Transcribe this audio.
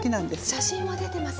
写真が出てます。